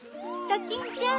ドキンちゃん！